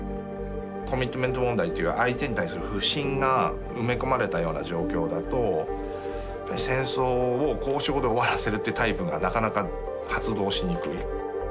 コミットメント問題という相手に対する不信が埋め込まれたような状況だと戦争を交渉で終わらせるってタイプがなかなか発動しにくい。